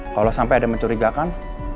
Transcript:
kalau sampai ada mencurigakan